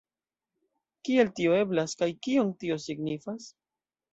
Kiel tio eblas, kaj kion tio signifas?